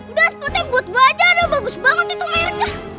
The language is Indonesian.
udah spotnya buat gua aja tuh bagus banget itu airnya